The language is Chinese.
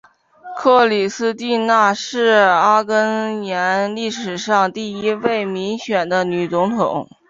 克里斯蒂娜是阿根廷历史上第一位民选的女总统。